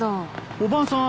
おばあさん